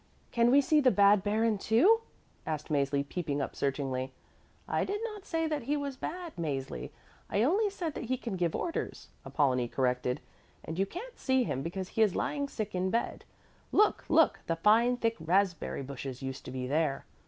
"Can we see the bad baron, too?" asked Mäzli peeping up searchingly. "I did not say that he was bad, Mäzli, I only said that he can give orders," Apollonie corrected. "And you can't see him because he is lying sick in bed. Look, look! the fine, thick raspberry bushes used to be there."